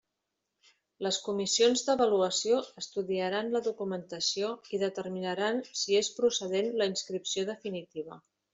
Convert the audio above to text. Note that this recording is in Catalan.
Les comissions d'avaluació estudiaran la documentació i determinaran si és procedent la inscripció definitiva.